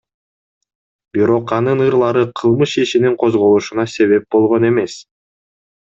Бирок анын ырлары кылмыш ишинин козголушуна себеп болгон эмес.